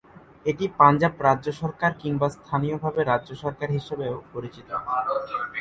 এটি পাঞ্জাব রাজ্য সরকার কিংবা স্থানীয়ভাবে রাজ্য সরকার হিসাবেও পরিচিত।